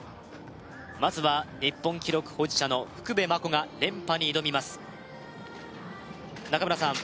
まずは日本記録保持者の福部真子が連覇に挑みます中村さん